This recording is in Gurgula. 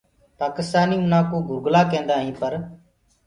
پآڪِستآنيٚ انآ ڪوُ گُرگلآ ڪينٚدآئينٚ پر